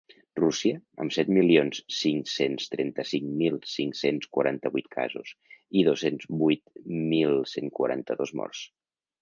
Rússia, amb set milions cinc-cents trenta-cinc mil cinc-cents quaranta-vuit casos i dos-cents vuit mil cent quaranta-dos morts.